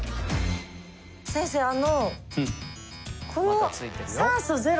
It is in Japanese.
先生あの。